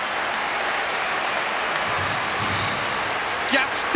逆転